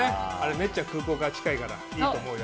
めっちゃ空港から近いからいいと思うよあれは。